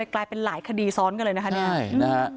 กลายเป็นหลายคดีซ้อนกันเลยนะคะเนี่ย